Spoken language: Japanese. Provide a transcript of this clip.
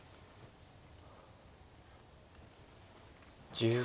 １０秒。